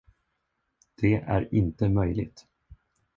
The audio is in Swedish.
Det är inte möjligt.